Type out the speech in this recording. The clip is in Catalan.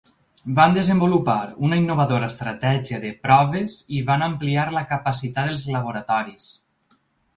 Van desenvolupar una innovadora estratègia de proves i van ampliar la capacitat dels laboratoris.